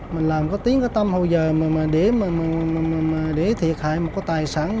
mình làm có tiếng có tâm hồi giờ mà để thiệt hại một cái tài sản